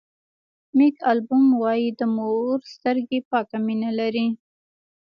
مېک البوم وایي د مور سترګې پاکه مینه لري.